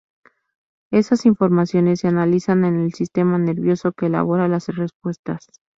Esas informaciones se analizan en el sistema nervioso, que elabora las respuestas.